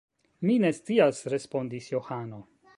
Mi ne scias, respondis Johano.